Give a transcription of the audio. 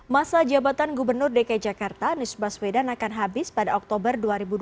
masa jabatan gubernur dki jakarta anies baswedan akan habis pada oktober dua ribu dua puluh